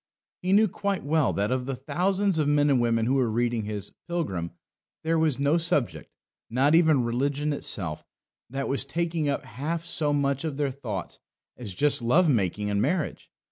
He knew quite well that of the thousands of men and women who were reading his Pilgrim there was no subject, not even religion itself, that was taking up half so much of their thoughts as just love making and marriage.